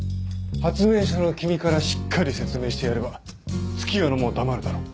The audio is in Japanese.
発明者の君からしっかり説明してやれば月夜野も黙るだろう。